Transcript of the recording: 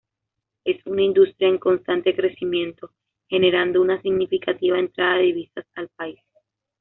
Es una industria en constante crecimiento, generando una significativa entrada de divisas al país.